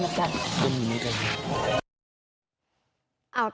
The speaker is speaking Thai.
ก็มีเหรอจัง